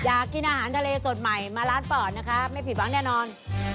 อยากกินอาหารทะเลสดใหม่มาร้านปอดนะคะไม่ผิดหวังแน่นอน